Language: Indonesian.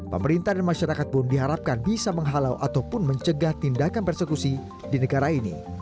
pemerintah dan masyarakat pun diharapkan bisa menghalau ataupun mencegah tindakan persekusi di negara ini